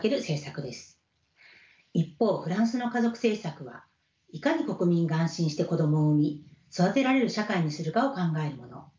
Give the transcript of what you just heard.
一方フランスの家族政策はいかに国民が安心して子どもを産み育てられる社会にするかを考えるもの。